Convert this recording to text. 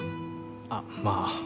あっまあ。